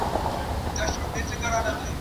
بیرغ ئې له لاسه لوېدلی دئ.